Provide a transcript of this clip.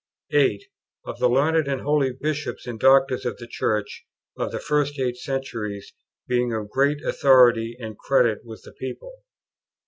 8. Of the learned and holy Bishops and doctors of the Church of the first eight centuries being of great authority and credit with the people.